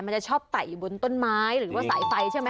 มันจะชอบไต่อยู่บนต้นไม้หรือว่าสายไฟใช่ไหม